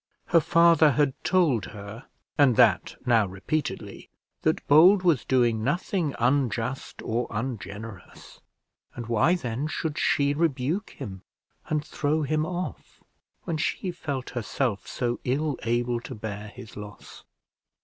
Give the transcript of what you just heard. Her father had told her, and that now repeatedly, that Bold was doing nothing unjust or ungenerous; and why then should she rebuke him, and throw him off, when she felt herself so ill able to bear his loss?